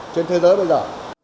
trên thế giới bây giờ